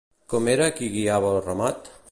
Com era qui guiava el ramat?